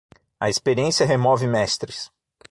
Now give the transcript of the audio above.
A experiência remove mestres.